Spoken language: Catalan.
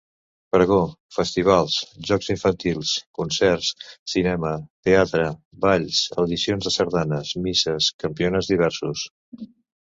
Pregó, festivals, jocs infantils, concerts, cinema, teatre, balls, audicions de sardanes, misses, campionats diversos.